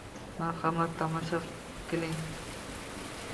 Marhamat tomosha kiling.